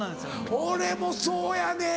俺もそうやねん。